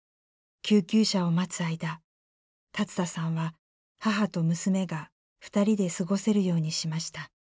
救急車を待つ間龍田さんは母と娘が２人で過ごせるようにしました。